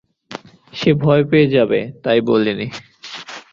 সে ভয় পেয়ে যাবে তাই বলিনি।